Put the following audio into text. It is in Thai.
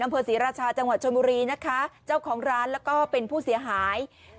อำเภอศรีราชาจังหวัดชนบุรีนะคะเจ้าของร้านแล้วก็เป็นผู้เสียหาย